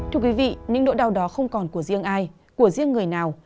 thưa quý vị những nỗi đau đó không còn của riêng ai của riêng người nào